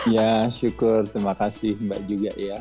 ya syukur terima kasih mbak juga ya